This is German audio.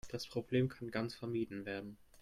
Das Problem kann ganz vermieden werden.